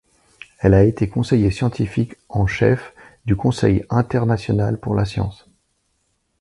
Elle a été conseiller scientifique en chef du Conseil international pour la science.